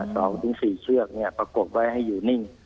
สองถึงสี่เชือกเนี่ยประกบไว้ให้อยู่นิ่ง